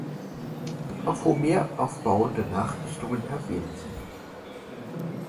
Auf Homer aufbauende Nachdichtungen erwähnen sie.